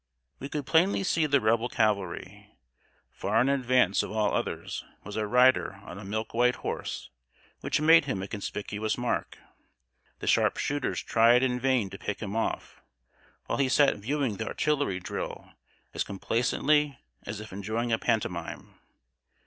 We could plainly see the Rebel cavalry. Far in advance of all others, was a rider on a milk white horse, which made him a conspicuous mark. The sharpshooters tried in vain to pick him off, while he sat viewing the artillery drill as complacently as if enjoying a pantomime.